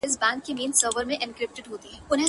کار اهل کار ته سپارل